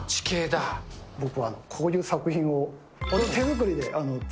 僕は、こういう作品を、手作り？